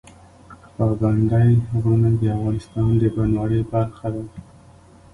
پابندی غرونه د افغانستان د بڼوالۍ برخه ده.